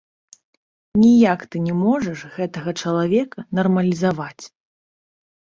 Ніяк ты не можаш гэтага чалавека нармалізаваць.